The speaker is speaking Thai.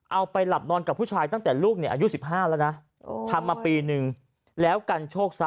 เอาไปหลับนอนกับผู้ชายตั้งแต่ลูกอายุ๑๕แล้วนะ